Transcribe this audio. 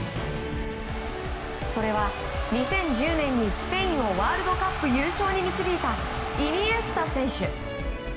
それは２０１０年にスペインをワールドカップ優勝に導いたイニエスタ選手。